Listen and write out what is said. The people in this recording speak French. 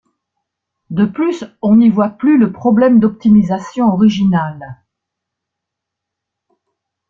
De plus on n'y voit plus le problème d'optimisation original.